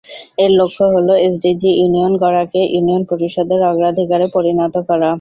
এর লক্ষ্য হলো এসডিজি ইউনিয়ন গড়াকে ইউনিয়ন পরিষদের অগ্রাধিকারে পরিণত করা।